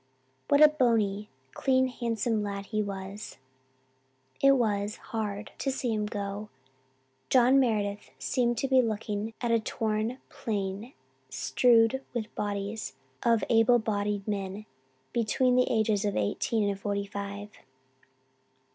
What a bonny, clean, handsome lad he was! It was hard to see him go. John Meredith seemed to be looking at a torn plain strewed with the bodies of "able bodied men between the ages of eighteen and forty five."